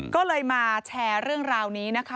ก็เลยมาแชร์เรื่องราวนี้นะคะ